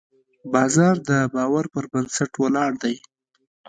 بازار د باور پر بنسټ ولاړ دی.